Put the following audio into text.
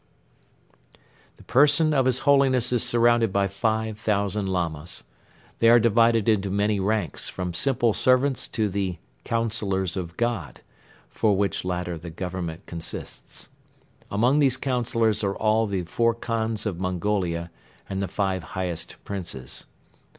The person of His Holiness is surrounded by five thousand Lamas. They are divided into many ranks from simple servants to the "Councillors of God," of which latter the Government consists. Among these Councillors are all the four Khans of Mongolia and the five highest Princes.